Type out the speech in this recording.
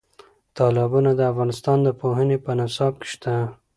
تالابونه د افغانستان د پوهنې په نصاب کې شته.